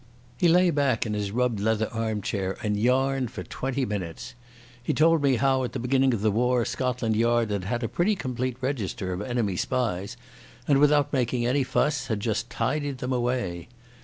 He lay back in his rubbed leather armchair and yarned for twenty minutes. He told me how at the beginning of the war Scotland Yard had had a pretty complete register of enemy spies, and without making any fuss had just tidied them away.